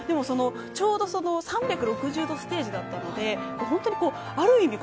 ちょうど３６０度ステージだったのである意味